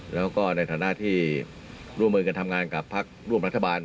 แล้วก็ในฐานะที่ร่วมมือกันทำงานกับพักร่วมรัฐบาล